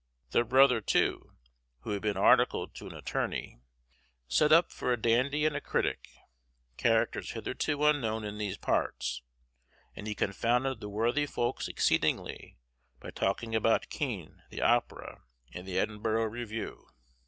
Their brother, too, who had been articled to an attorney, set up for a dandy and a critic, characters hitherto unknown in these parts, and he confounded the worthy folks exceedingly by talking about Kean, the Opera, and the "Edinburgh Review."